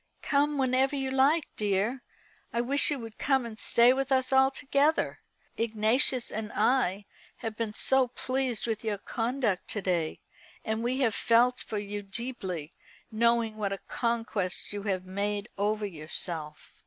"Come whenever you like, dear. I wish you would come and stay with us altogether. Ignatius and I have been so pleased with your conduct to day; and we have felt for you deeply, knowing what a conquest you have made over yourself."